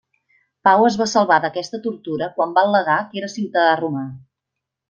Pau es va salvar d'aquesta tortura quan va al·legar que era ciutadà roma.